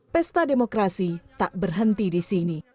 pesta demokrasi tak berhenti di sini